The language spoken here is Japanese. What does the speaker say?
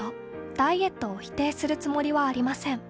ダイエットを否定するつもりはありません。